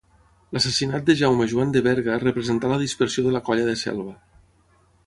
L'assassinat de Jaume Joan de Berga representà la dispersió de la Colla de Selva.